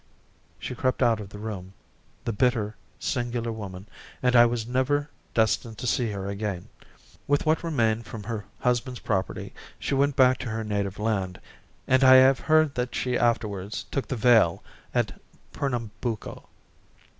She crept out of the room, the bitter, singular woman, and I was never destined to see her again. With what remained from her husband's property she went back to her native land, and I have heard that she afterwards took the veil at Pernambuco.